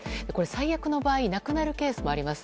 最悪の場合亡くなるケースもあります。